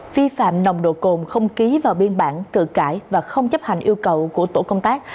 vi phạm nồng độ cồn không ký vào biên bản cử cãi và không chấp hành yêu cầu của tổ công tác